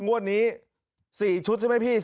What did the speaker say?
งวดนี้๔ชุดใช่ไหมพี่